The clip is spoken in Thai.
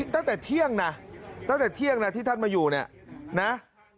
ตั้งแต่เที่ยงนะที่ท่านมาอยู่เนี่ย